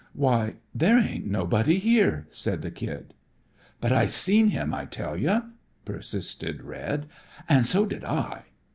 "Why, there ain't nobody here," said the Kid. "But I seen him I tell you," persisted Red. "And so did I."